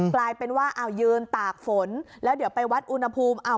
กลายเป็นว่าเอายืนตากฝนแล้วเดี๋ยวไปวัดอุณหภูมิ